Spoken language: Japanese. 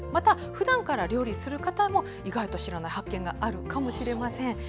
ふだんから料理をする方も意外と知らない発見があるかもしれません。